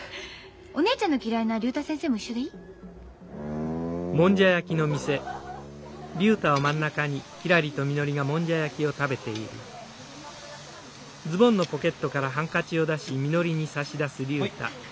お姉ちゃんの嫌いな竜太先生も一緒でいい？ほい。